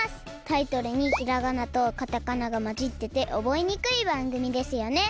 タイトルにひらがなとカタカナがまじってておぼえにくいばんぐみですよね！